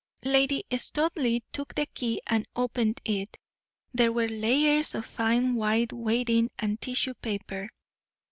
Lady Studleigh took the key and opened it. There were layers of fine white wadding and tissue paper.